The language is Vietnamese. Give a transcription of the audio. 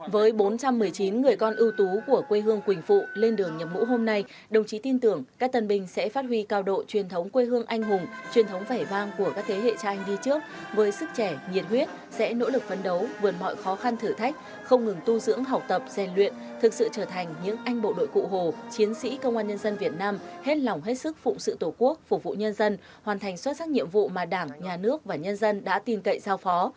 với bốn trăm một mươi chín người con ưu tú của quê hương quỳnh phụ lên đường nhầm ngũ hôm nay đồng chí tin tưởng các tân binh sẽ phát huy cao độ truyền thống quê hương anh hùng truyền thống vẻ vang của các thế hệ cha anh đi trước với sức trẻ nhiệt huyết sẽ nỗ lực phấn đấu vượt mọi khó khăn thử thách không ngừng tu dưỡng học tập dành luyện thực sự trở thành những anh bộ đội cụ hồ chiến sĩ công an nhân dân việt nam hết lòng hết sức phụng sự tổ quốc phục vụ nhân dân hoàn thành xuất sắc nhiệm vụ mà đảng nhà nước và nhân dân đã tin cậy giao phó